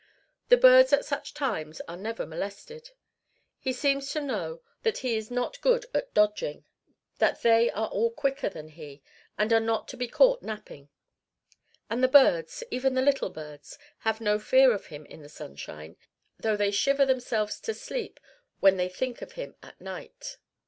The birds at such times are never molested. He seems to know that he is not good at dodging; that they are all quicker than he, and are not to be caught napping. And the birds, even the little birds, have no fear of him in the sunshine; though they shiver themselves to sleep when they think of him at night.